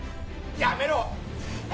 やめろ！